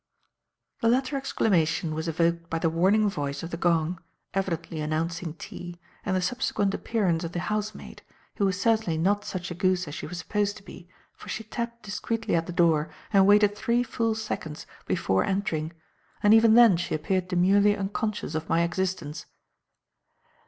The latter exclamation was evoked by the warning voice of the gong, evidently announcing tea, and the subsequent appearance of the housemaid; who was certainly not such a goose as she was supposed to be, for she tapped discreetly at the door and waited three full seconds before entering; and even then she appeared demurely unconscious of my existence.